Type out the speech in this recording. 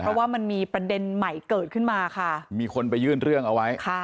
เพราะว่ามันมีประเด็นใหม่เกิดขึ้นมาค่ะมีคนไปยื่นเรื่องเอาไว้ค่ะ